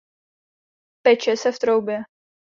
Peče se v troubě.